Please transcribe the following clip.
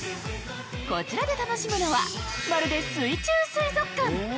こちらで楽しむのは、まるで水中水族館。